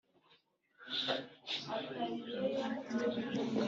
abiga bafite amadeni yo mu myaka yashize ni babiri